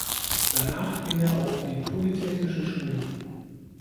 Danach ging er auf die Polytechnische Schule.